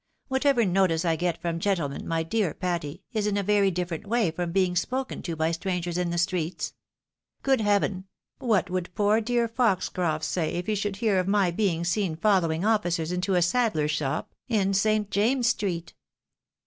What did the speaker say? Whatever notice I get from gentlemen, my , dear Patty, is in a very different way from being spoken to by strangers in the streets. Good heaven ! what would poor, dear Foxcroft say if he should hear of my being seen following ofiBcers into a saddler's shop, in St. James's street."